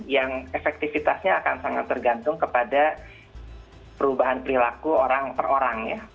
yang efektifitasnya akan sangat tergantung kepada perubahan perilaku orang per orang ya